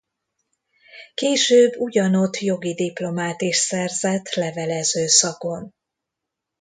Később ugyanott jogi diplomát is szerzett levelező szakon.